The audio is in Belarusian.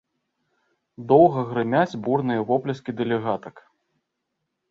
Доўга грымяць бурныя воплескі дэлегатак.